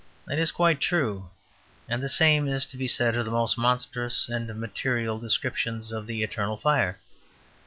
That is quite true, and the same is to be said of the most monstrous and material descriptions of the eternal fire.